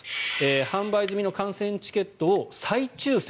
販売済みの観戦チケットを再抽選。